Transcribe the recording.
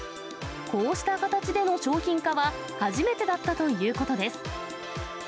こうした形での商品化は初めてだったということです。